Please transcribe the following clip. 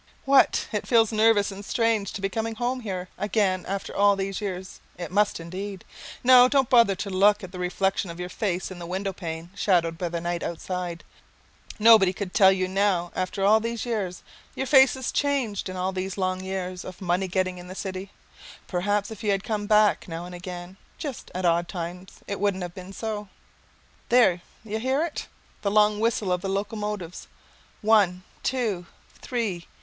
What? it feels nervous and strange to be coming here again after all these years? It must indeed. No, don't bother to look at the reflection of your face in the window pane shadowed by the night outside. Nobody could tell you now after all these years. Your face has changed in these long years of money getting in the city. Perhaps if you had come back now and again, just at odd times, it wouldn't have been so. There, you hear it? the long whistle of the locomotive, one, two, three!